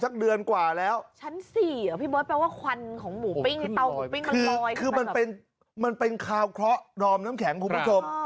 คือมันเป็นคาวเคราะห์ดอมน้ำแข็งคุณผู้ชม